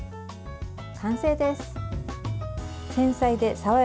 完成です。